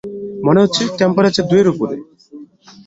মনে হচ্ছে টেম্পারেচার দুই-এর উপরে।